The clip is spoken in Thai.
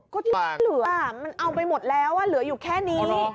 ก็ที่ไม่เหลือมันเอาไปหมดแล้วเหลืออยู่แค่นี้